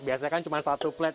biasanya kan cuma satu plat